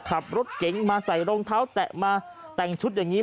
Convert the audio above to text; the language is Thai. ขับรถเก๋งมาใส่รองเท้าแตะมาแต่งชุดอย่างนี้